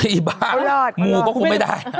อีบ้าหมู่ก็คุณไม่ได้คุณลอดคุณลอด